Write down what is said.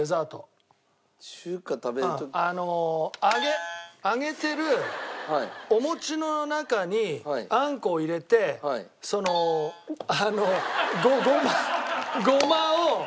揚げ揚げてるお餅の中にあんこを入れてそのあのごまを。